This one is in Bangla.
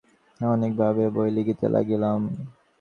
অনেক ভাবিয়া বই লিখিতে লাগিলাম।